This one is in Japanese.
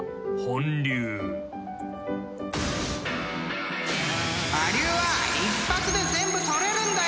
［我流は一発で全部取れるんだよ！］